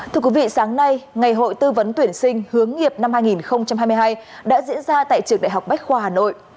thưa quý vị sáng nay ngày hội tư vấn tuyển sinh hướng nghiệp năm hai nghìn hai mươi hai đã diễn ra tại trường đại học bách khoa hà nội